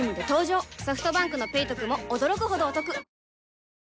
ソフトバンクの「ペイトク」も驚くほどおトク